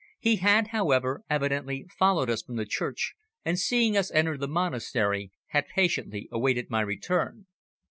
He had, however, evidently followed us from the church, and seeing us enter the monastery had patiently awaited my return.